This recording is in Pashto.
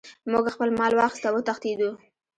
موږ خپل مال واخیست او وتښتیدو.